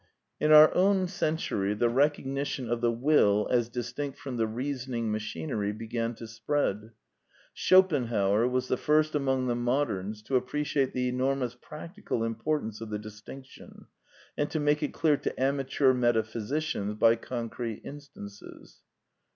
In our own century the recognition of the will as distinct from the reasoning machinery began to spread. Schopenhauer was the first among the moderns ^ to appreciate the enormous practical importance of the distinction, and to make it clear to amateur metaphysicians by concrete in stances.